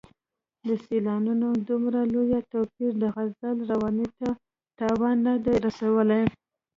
د سېلابونو دومره لوی توپیر د غزل روانۍ ته تاوان نه دی رسولی.